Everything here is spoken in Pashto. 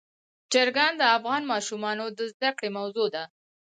چرګان د افغان ماشومانو د زده کړې موضوع ده.